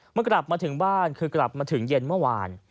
เมื่อกลับมาถึงบ้านคือกลับมาถึงเย็นเมื่อวาน